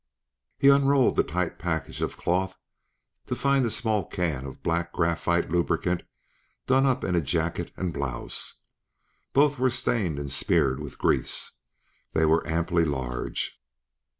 He unrolled the tight package of cloth to find a small can of black graphite lubricant done up in a jacket and blouse. Both were stained and smeared with grease; they were amply large.